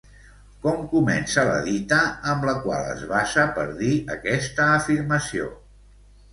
Com comença la dita amb la qual es basa per dir aquesta afirmació?